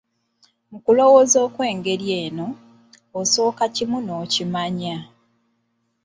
Mu kulowooza okw'engeri eno, osooka kimu n'okimanya.